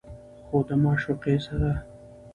خو د معشوقې سره